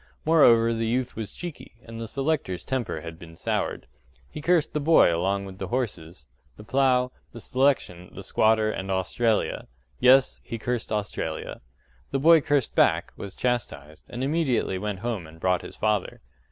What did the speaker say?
Moreover the youth was cheeky, and the selector's temper had been soured: he cursed the boy along with the horses, the plough, the selection, the squatter, and Australia. Yes, he cursed Australia. The boy cursed back, was chastised, and immediately went home and brought his father.